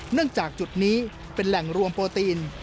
จากจุดนี้เป็นแหล่งรวมโปรตีน